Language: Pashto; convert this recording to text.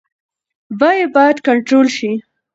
بیې باید کنټرول شي.